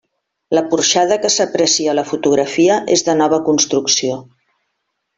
La porxada que s'aprecia a la fotografia és de nova construcció.